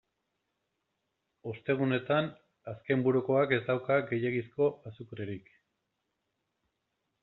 Ostegunetan azkenburukoak ez dauka gehiegizko azukrerik.